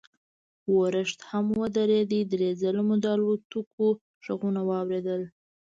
ورښت هم ودرېد، درې ځله مو د الوتکو غږونه واورېدل.